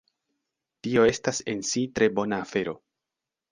Tio estas en si tre bona afero.